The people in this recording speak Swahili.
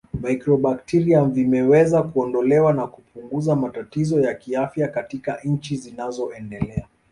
Mycobacterium vimeweza kuondolewa na kupuguza matatizo ya kiafya katika nchi zinazoendelea